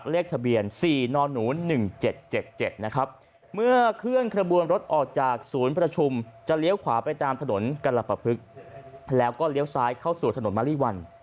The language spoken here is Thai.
เลขทะเบียน๔นหนู๑๗๗นะครับเมื่อเคลื่อนขบวนรถออกจากศูนย์ประชุมจะเลี้ยวขวาไปตามถนนกรปภึกแล้วก็เลี้ยวซ้ายเข้าสู่ถนนมะลิวัน